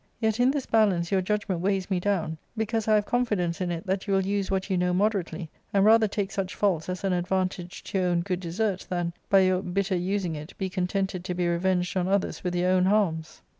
Yet in this balance your judgment weighs me down, because I have confidence in it that you will use what you know moderately, and rather take such faults as an advantage to your own good desert than, by your bitter using it, be contented to be revenged on others with your own harms.